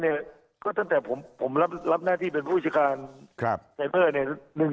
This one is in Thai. ที่เราคุยกันมาเนี่ยก็ตั้งแต่ผมรับหน้าที่เป็นผู้อุจจิการไซเฟอร์เนี่ย